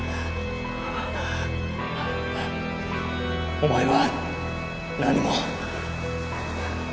お前は何も